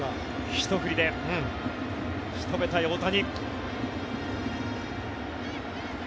ひと振りで仕留めたい大谷。